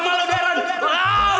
gue nggak mau mau mau